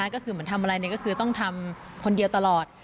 ก็คือเหมือนทำอะไรก็คือต้องทำคนเดียวตลอด